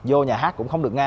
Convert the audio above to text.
vô nhà hát cũng không được nghe